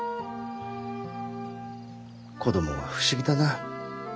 子供は不思議だな。